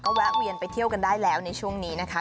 แวะเวียนไปเที่ยวกันได้แล้วในช่วงนี้นะคะ